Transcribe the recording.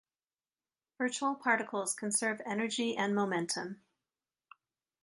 Virtual particles conserve energy and momentum.